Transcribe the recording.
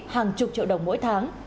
hàng chục triệu đồng mỗi tháng